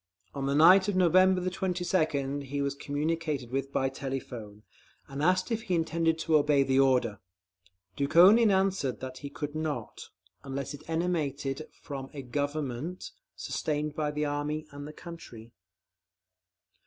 On the night of November 22nd he was communicated with by telephone, and asked if he intended to obey the order. Dukhonin answered that he could not, unless it emanated from "a Government sustained by the Army and the country."